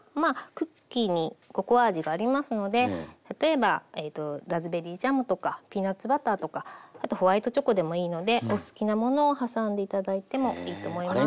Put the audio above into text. クッキーにココア味がありますので例えばラズベリージャムとかピーナツバターとかあとホワイトチョコでもいいのでお好きなものを挟んで頂いてもいいと思います。